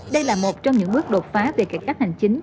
đây là một trong những bước đột phá về cải cách hành chính